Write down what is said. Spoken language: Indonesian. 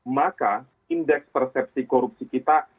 maka indeks persepsi korupsi kita